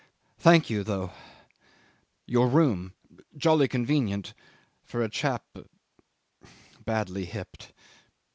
... "Thank you, though your room jolly convenient for a chap badly hipped."